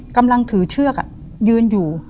กำลังถือเชือกยืนอยู่